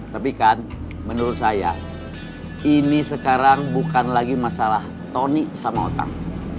tapi kan menurut saya ini sekarang bukan lagi masalah tony sama otak